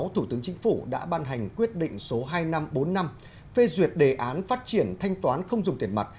thủ tướng chính phủ đã ban hành quyết định số hai năm bốn năm phê duyệt đề án phát triển thanh toán không dùng tiền mặt